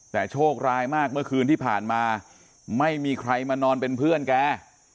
แต่โชคร้ายมากเมื่อคืนที่ผ่านมาไม่มีใครมานอนเป็นเพื่อนแก